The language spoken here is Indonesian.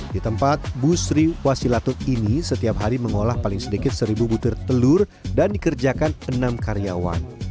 di tempat busri wasilatung ini setiap hari mengolah paling sedikit seribu butir telur dan dikerjakan enam karyawan